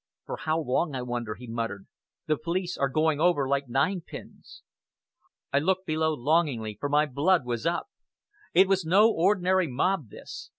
"For how long, I wonder," he muttered. "The police are going over like ninepins." I looked below longingly, for my blood was up. It was no ordinary mob this.